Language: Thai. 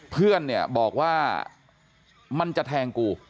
เพื่อนเนี่ยบอกว่ามันจะแทงกู